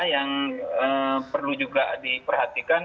yang perlu juga diperhatikan